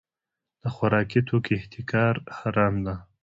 د خوراکي توکو احتکار حرام دی.